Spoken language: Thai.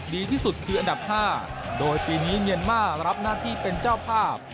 โดยปีนี้เมียนมาร์รับหน้าที่เป็นเจ้าภาพ